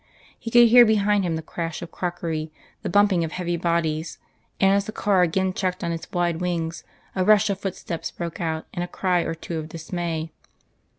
He could hear behind him the crash of crockery, the bumping of heavy bodies, and as the car again checked on its wide wings, a rush of footsteps broke out and a cry or two of dismay.